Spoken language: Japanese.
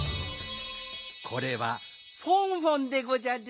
これはフォンフォンでごじゃる。